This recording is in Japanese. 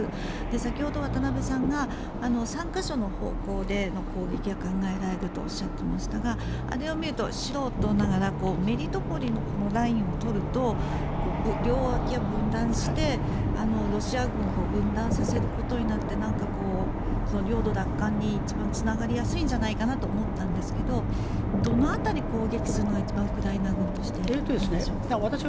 先ほど渡部さんが３か所の方向で攻撃が考えられるとおっしゃっていましたがあれを見ると、素人ながらメリトポリのラインを取ると両脇を分断してロシア軍を分断させることになって領土奪還に一番つながりやすいんじゃないかなと思ったんですがどの辺りを攻撃するのが一番ウクライナ軍としていいんでしょう？